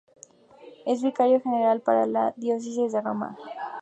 Es vicario general para la diócesis de Roma.